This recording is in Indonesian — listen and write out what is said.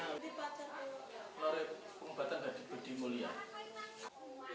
klinik yang berbeda